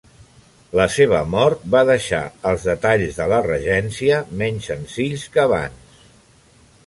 La seva mort va deixar els detalls de la Regència menys senzills que abans.